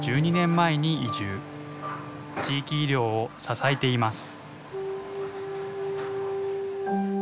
地域医療を支えています。